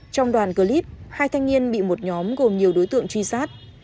trong đoàn clip hai thanh niên bị một nhóm gồm nhiều đối tượng truy sát